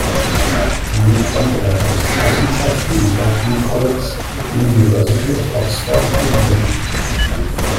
Damit konnte er Rechtswissenschaften am Wadham College der University of Oxford studieren.